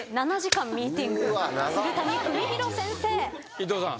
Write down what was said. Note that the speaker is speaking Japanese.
伊東さん